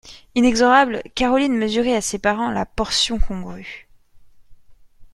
Inexorable, Caroline mesurait à ses parents la portion congrue.